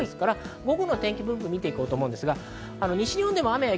午後の天気分布図を見ていきます。